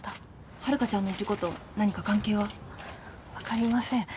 遥香ちゃんの事故と何か関係は？わかりません。